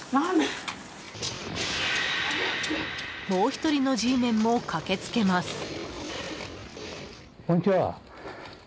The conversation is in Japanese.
もう１人のＧメンも駆けつけます。